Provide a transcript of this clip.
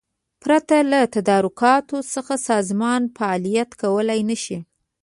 پرته له تدارکاتو څخه سازمان فعالیت کولای نشي.